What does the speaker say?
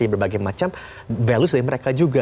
jadi berbagai macam value dari mereka juga